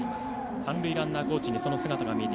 三塁ランナーコーチにその姿が見えて。